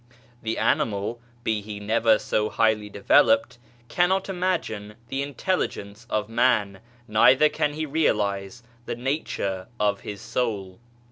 The animal, be he never so highly developed, cannot imagine the intelligence of man, neither can he realize the nature of his soul.